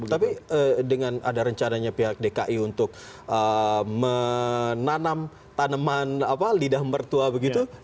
tapi dengan ada rencananya pihak dki untuk menanam tanaman lidah mertua begitu